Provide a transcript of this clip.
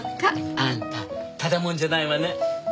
あんたただ者じゃないわね。